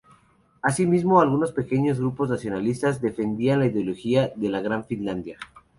Asimismo, algunos pequeños grupos nacionalistas defendían la ideología de la Gran Finlandia.